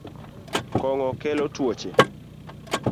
Kong’o kelo tuoche